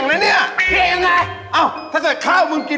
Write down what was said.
ก็จัดศีลแล้วนี่